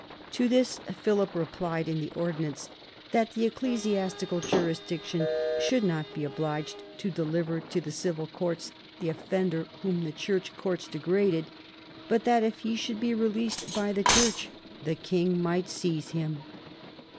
To this Philip replied in the ordinance, that the ecclesiastical jurisdiction should not be obliged to deliver to the civil courts the offender whom the Church courts degraded, but that if he should be released by the Church the king might seize him.